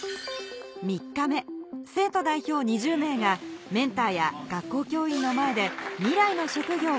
３日目生徒代表２０名がメンターや学校教員の前で未来の職業を発表